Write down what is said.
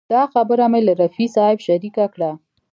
دا خبره مې له رفیع صاحب شریکه کړه.